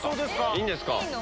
いいんですか！